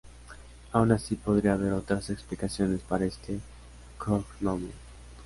Aun así, podría haber otras explicaciones para este cognomen.